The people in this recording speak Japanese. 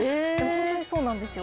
本当にそうなんですよ。